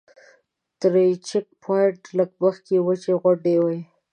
تر دې چیک پواینټ لږ مخکې وچې غونډۍ وې.